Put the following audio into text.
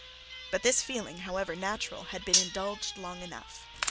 But this feeling, however natural, had been indulged long enough.